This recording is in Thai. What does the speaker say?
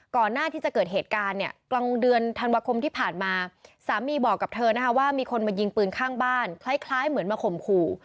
ก่อนหน้าที่จะเกิดเหตุการณ์เนี่ยกลางเดือนธันวาคมที่ผ่านมาสามีบอกกับเธอนะคะว่ามีคนมายิงปืนข้างบ้านคล้ายเหมือนมาข่มขู่